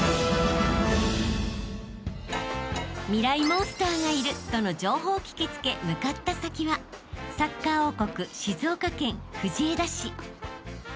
モンスターがいるとの情報を聞き付け向かった先はサッカー王国］